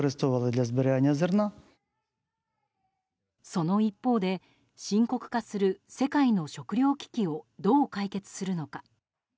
その一方で深刻化する世界の食糧危機をどう解決するのか。